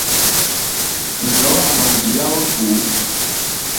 Njɔ̀ɔ́ àmà njíyá ó tùú.